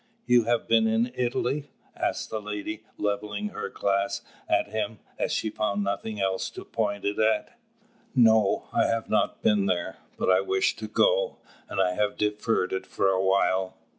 "You have been in Italy?" asked the lady, levelling her glass at him, as she found nothing else to point it at. "No, I have not been there; but I wish to go, and I have deferred it for a while.